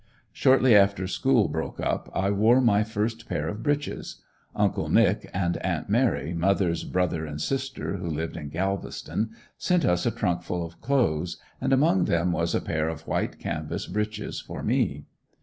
Shortly after school broke up I wore my first pair of breeches. Uncle "Nick" and aunt "Mary," mothers' brother and sister, who lived in Galveston, sent us a trunk full of clothes and among them was a pair of white canvas breeches for me.